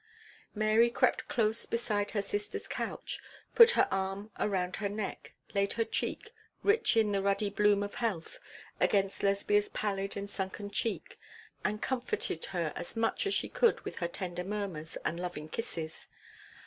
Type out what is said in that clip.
Mary crept close beside her sister's couch, put her arm round her neck, laid her cheek rich in the ruddy bloom of health against Lesbia's pallid and sunken cheek, and comforted her as much as she could with tender murmurs and loving kisses.